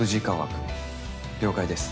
君了解です。